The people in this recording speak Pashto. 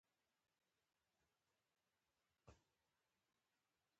په ځمکه خطونه باسي او په چورت کې ډوب دی.